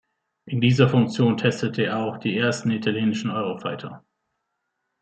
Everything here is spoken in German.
In dieser Funktion testete er auch die ersten italienischen Eurofighter.